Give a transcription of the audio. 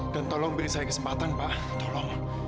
dan tolong beri saya kesempatan pak tolong